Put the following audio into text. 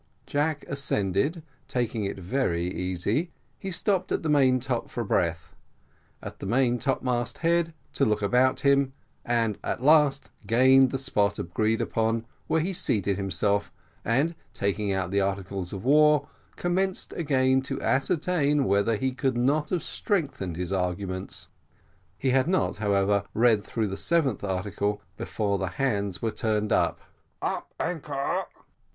Jack ascended, taking it very easy: he stopped at the main top for breath; at the main topmast head, to look about him; and, at last, gained the spot agreed upon, where he seated himself, and, taking out the articles of war, commenced them again, to ascertain whether he could not have strengthened his arguments. He had not, however, read through the seventh article before the hands were turned up "up anchor!"